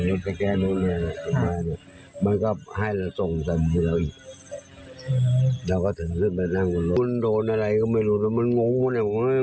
แล้วที่มันก็นับเงินออกไปกระเป๋า